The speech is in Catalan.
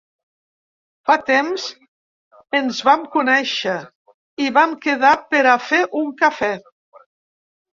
Fa temps ens vam conèixer i vam quedar per a fer un cafè.